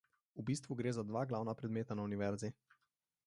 V bistvu gre za dva glavna predmeta na univerzi.